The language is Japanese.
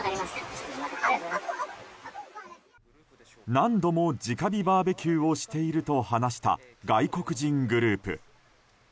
何度も直火バーベキューをしていると話した外国人グループ。